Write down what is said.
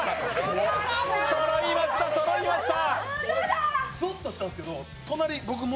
そろいました、そろいました。